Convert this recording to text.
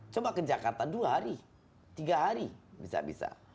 coba ke jakarta dua hari tiga hari bisa bisa